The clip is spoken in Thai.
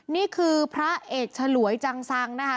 นี่คือพระเอกฉลวยจังซังนะคะ